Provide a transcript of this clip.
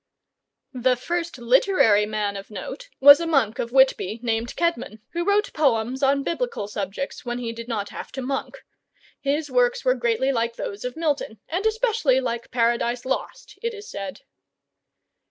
The first literary man of note was a monk of Whitby named Caedmon, who wrote poems on biblical subjects when he did not have to monk. His works were greatly like those of Milton, and especially like "Paradise Lost," it is said.